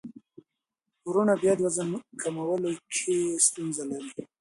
وروڼه بیا د وزن کمولو کې ستونزه لري.